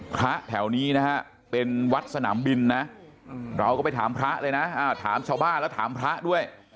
แถวนี้นะฮะเป็นวัดสนามบินนะเราก็ไปถามพระเลยนะถามชาวบ้านแล้วถามพระด้วย